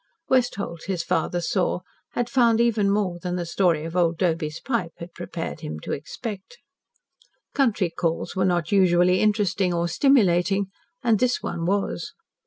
Westholt, his father saw, had found even more than the story of old Doby's pipe had prepared him to expect. Country calls were not usually interesting or stimulating, and this one was.